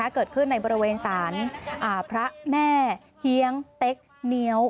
เกิดขึ้นในบริเวณศาลพระแม่เฮียงเต็กเงี้ยว